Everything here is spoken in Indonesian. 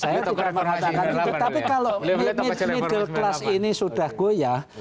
saya tidak mengatakan itu tapi kalau middle class ini sudah goyah